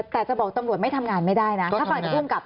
แต่จะบอกตำรวจไม่ทำงานไม่ได้นะ